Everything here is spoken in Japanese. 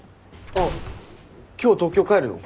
あっ今日東京帰るの？